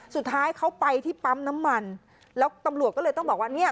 สุดท้ายเขาไปที่ปั๊มน้ำมันแล้วตำรวจก็เลยต้องบอกว่าเนี่ย